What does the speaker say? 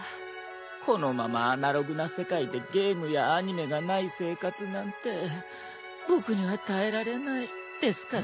このままアナログな世界でゲームやアニメがない生活なんて僕には耐えられないですからね。